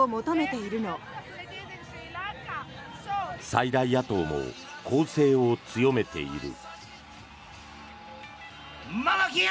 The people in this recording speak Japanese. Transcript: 最大野党も攻勢を強めている。